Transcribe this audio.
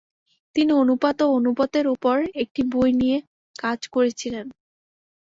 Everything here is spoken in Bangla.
তিনি অনুপাত ও অনুপাতের উপর একটি বই নিয়ে কাজ করেছিলেন।